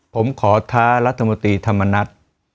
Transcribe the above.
ผมขอท้ารัฐมนตรีธรรมนัฐ